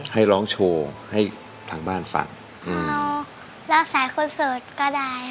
ให้ร้องโชว์ให้ทางบ้านฟังร้องสายคนโสดก็ได้